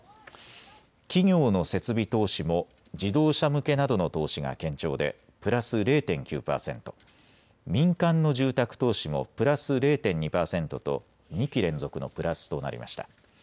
企業の設備投資も自動車向けなどの投資が堅調でプラス０．９％、民間の住宅投資もプラス０．２％と２期連続のプラスとなりました。